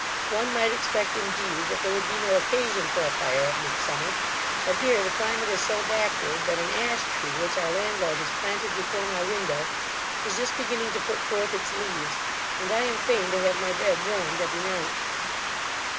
One might expect, indeed, that there would be no occasion for a fire at Midsummer; but here the climate is so backward, that an ash tree, which our landlord has planted before my window, is just beginning to put forth its leaves; and I am fain to have my bed warmed every night.